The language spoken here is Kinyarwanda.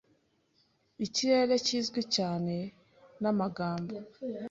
ikirere kizwi cyane n'amagambo: